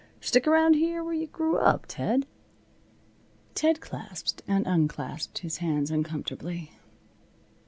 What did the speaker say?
Stick around here where you grew up, Ted." Ted clasped and unclasped his hands uncomfortably.